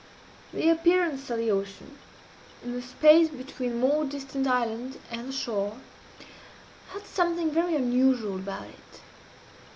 The appearance of the ocean, in the space between the more distant island and the shore, had something very unusual about it.